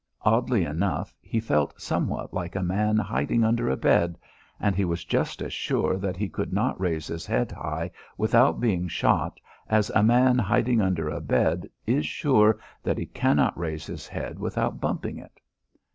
Oddly enough, he felt somewhat like a man hiding under a bed, and he was just as sure that he could not raise his head high without being shot as a man hiding under a bed is sure that he cannot raise his head without bumping it.